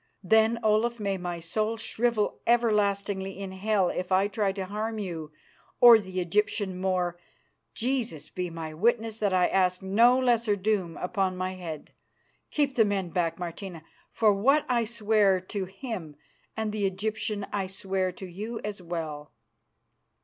Then, Olaf, may my soul shrivel everlastingly in hell if I try to harm you or the Egyptian more Jesus be my witness that I ask no lesser doom upon my head. Keep the men back, Martina, for what I swear to him and the Egyptian I swear to you as well.